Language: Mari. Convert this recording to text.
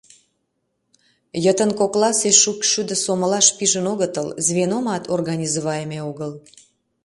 Йытын кокласе шӱкшудо сомылаш пижын огытыл, звеномат организовайыме огыл.